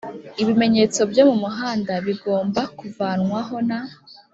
Ibimenyetso byo mu muhanda bigomba kuvanwaho n'